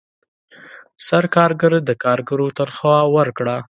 سرکارګر د کارګرو تنخواه ورکړه.